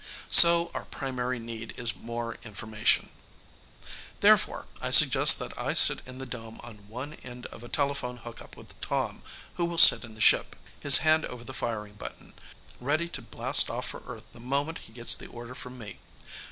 So our primary need is more information. "Therefore, I suggest that I sit in the dome on one end of a telephone hookup with Tom, who will sit in the ship, his hand over the firing button, ready to blast off for Earth the moment he gets the order from me.